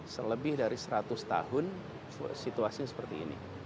selebih dari seratus tahun situasinya seperti ini